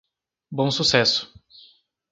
Bom Sucesso